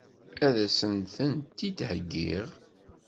Ad as-tent-id-heggiɣ?